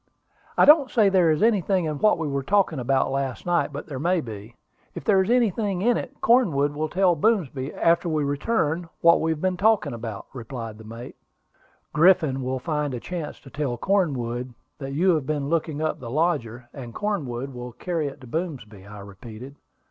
"I don't say there is anything in what we were talking about last night, but there may be. If there is anything in it, Cornwood will tell Boomsby, after we return, what we have been talking about," replied the mate. "Griffin will find a chance to tell Cornwood that you have been looking up the lodger, and Cornwood will carry it to Boomsby," I repeated.